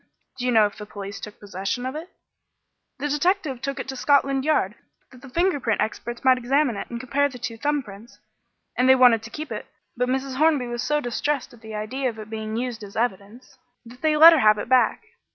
"Do you know if the police took possession of it?" "The detective took it to Scotland Yard that the finger print experts might examine it and compare the two thumb prints; and they wanted to keep it, but Mrs. Hornby was so distressed at the idea of its being used in evidence that they let her have it back.